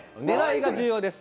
狙いが重要です。